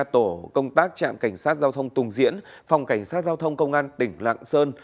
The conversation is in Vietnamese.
tổ công tác trạm cảnh sát giao thông tùng diễn phòng cảnh sát giao thông công an tỉnh lạng sơn